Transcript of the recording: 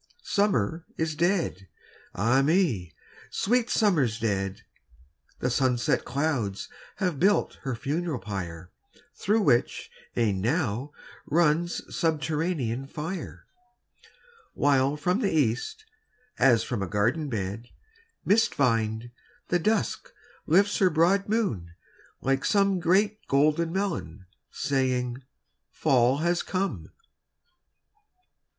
Summer is dead, ay me! sweet Summer's dead! The sunset clouds have built her funeral pyre, Through which, e'en now, runs subterranean fire: While from the East, as from a garden bed, Mist vined, the Dusk lifts her broad moon like some Great golden melon saying, "Fall has come."